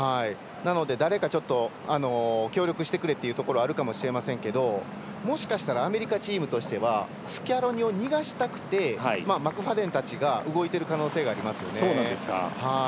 なので誰か協力してくれというところはあるかもしれませんけどもしかしたらアメリカチームとしてはスキャローニを逃がしたくてマクファーデンたちが動いている可能性がありますね。